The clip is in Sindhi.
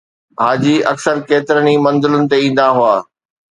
حاجي اڪثر ڪيترن ئي منزلن تي ايندا هئا